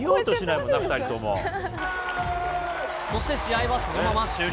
今、こうやっそして試合はそのまま終了。